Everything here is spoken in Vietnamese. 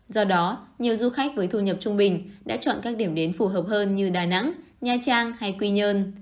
do đó nhiều du khách với thu nhập trung bình đã chọn các điểm đến phù hợp hơn như đà nẵng nha trang hay quy nhơn